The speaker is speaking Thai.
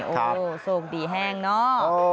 โอ้โหโชคดีแห้งเนาะ